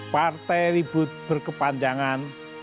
partai ribut berkepanjangan